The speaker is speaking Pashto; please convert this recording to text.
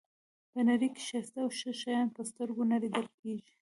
په نړۍ کې ښایسته او ښه شیان په سترګو نه لیدل کېږي.